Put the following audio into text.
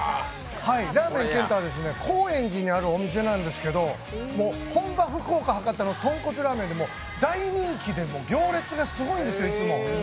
ラーメン健太は高円寺にあるお店なんですけど本場・福岡博多の豚骨ラーメンで大人気で行列がすごいんですよ、いつも。